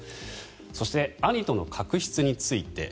そして兄との確執について。